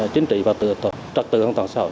chính trị và trật tự an toàn xã hội